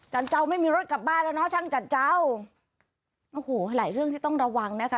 เจ้าไม่มีรถกลับบ้านแล้วเนาะช่างจัดเจ้าโอ้โหหลายเรื่องที่ต้องระวังนะคะ